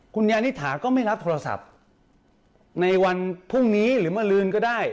คุณยานิถาก็ไม่รับโทรศัพท์ในวันพรุ่งนี้หรือมาลืนก็ได้